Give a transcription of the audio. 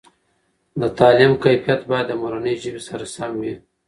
دتعلیم کیفیت باید د مورنۍ ژبې سره سم وي.